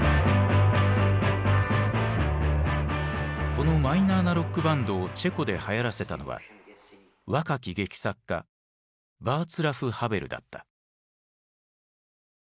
このマイナーなロックバンドをチェコではやらせたのは若き劇作家ヴァーツラフ・ハヴェルだった。